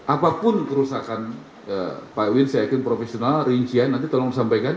apapun kerusakan pak win saya yakin profesional rincian nanti tolong sampaikan